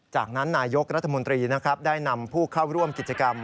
จากนั้นนายกรัฐมนตรีนะครับได้นำผู้เข้าร่วมกิจกรรม